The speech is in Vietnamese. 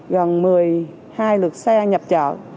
gần một mươi hai lực xe nhập chợ